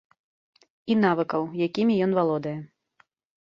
І навыкаў, якімі ён валодае.